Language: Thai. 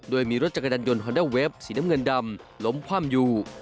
โดยมีรถจักรยานยนต์ฮอนด้าเวฟสีน้ำเงินดำล้มคว่ำอยู่